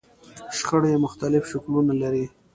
شخړې مختلف شکلونه لري.